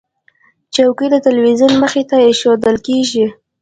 چوکۍ د تلویزیون مخې ته ایښودل کېږي.